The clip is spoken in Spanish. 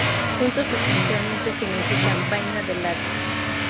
Juntos esencialmente significan "vaina de labios".